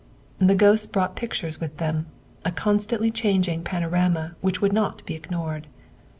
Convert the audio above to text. The ghosts brought pictures with them a constantly changing panorama which would not be ignored.